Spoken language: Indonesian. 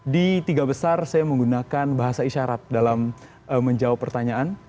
di tiga besar saya menggunakan bahasa isyarat dalam menjawab pertanyaan